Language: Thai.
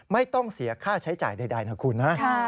ไม่ต้องเสียค่าใช้จ่ายใดนะคุณนะ